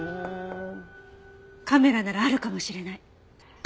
カメラならあるかもしれない。